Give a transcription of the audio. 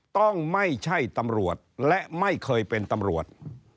ต้องไม่ใช่ตำรวจและไม่เคยเป็นตำรวจ